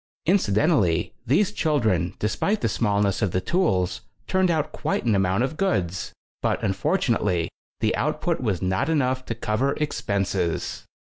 Incidentally, these children, despite the smallness of the tools, turned out quite an amount of goods, but, unfortunately, the output was not enough to cover expenses.